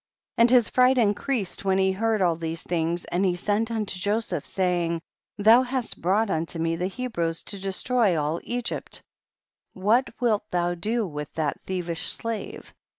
49. And his fright increased when he heard all these things, and he sent unto Joseph, saying, thou hast brought unto me the Hebrews to destroy all Egypt ; what wilt thou do with that thievish slave